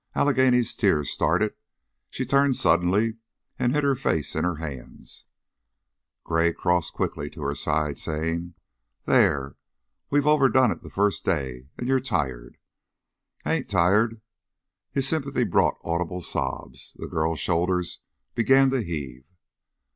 Allegheny's tears started, she turned suddenly and hid her face in her hands. Gray crossed quickly to her side, saying: "There! We've overdone it the first day, and you're tired." "I ain't tired." His sympathy brought audible sobs; the girl's shoulders began to heave.